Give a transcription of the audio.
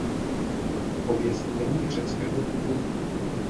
Pověst není řeckého původu.